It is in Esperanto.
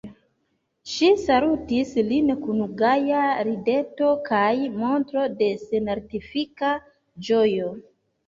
Ŝi salutis lin kun gaja rideto kaj montro de senartifika ĝojo.